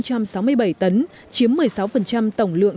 chiếm một mươi sáu tổng lượng